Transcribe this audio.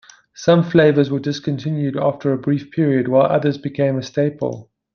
Some flavors were discontinued after a brief period, while others became a staple.